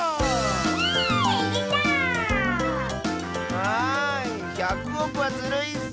あ１００おくはずるいッス！